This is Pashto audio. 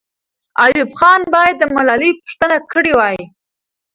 ایوب خان باید د ملالۍ پوښتنه کړې وای.